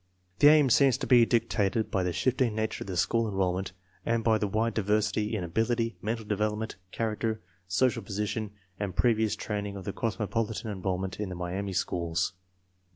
This aim seems to be dictated by the shifting nature of the school enrollment and by the wide diversity in ability, mental development, 1 02 TESTS AND SCHOOL REORGANIZATION character, social position, and previous training of the cosmopolitan enrollment in the Miami schools.